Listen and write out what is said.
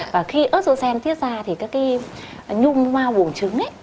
và khi estrogen tiết ra thì các cái nhung mau buồng trứng ấy